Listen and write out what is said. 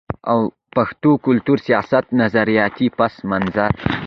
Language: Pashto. او د پښتون کلتور، سياست، نظرياتي پس منظر